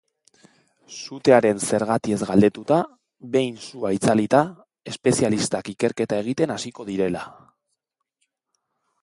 Sutearen zergatiez galdetuta, behin sua itzalita, espezialistak ikerketa egiten hasiko direla.